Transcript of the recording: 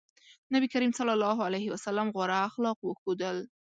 نبي کريم ص غوره اخلاق وښودل.